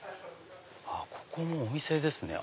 ここもお店ですね。